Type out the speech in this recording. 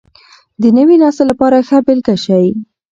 د نوي نسل لپاره ښه بېلګه شئ.